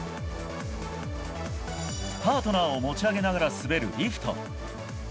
パートナーを持ち上げながら滑るリフト。